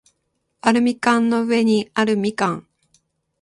アルミ缶の上にあるみかん